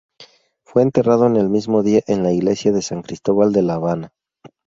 Fue enterrado el mismo día en la iglesia de San Cristóbal de La Habana.